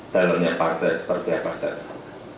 jalurnya partai seperti apa saya tahu